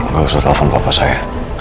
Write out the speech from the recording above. gak usah telepon papa saya